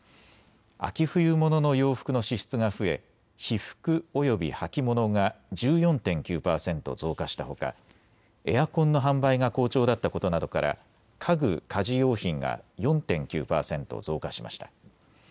秋冬物の洋服の支出が増え被服および履物が１４．９％増加したほか、エアコンの販売が好調だったことなどから家具・家事用品が４．９％増加しました。